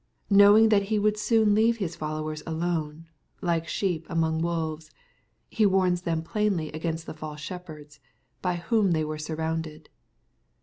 Knowing that He would soon leave His followers alone, like sheep among wolves, He warns them plainly against the false shepherds, by whom they were surrounded.